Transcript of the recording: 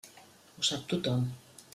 Ho sap tothom.